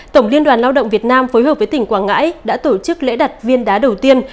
tổng liên đoàn lao động việt nam phối hợp với tỉnh quảng ngãi đã tổ chức lễ đặt viên đá đầu tiên